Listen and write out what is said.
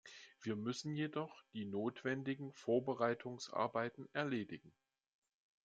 Wir müssen jedoch die notwendigen Vorbereitungsarbeiten erledigen.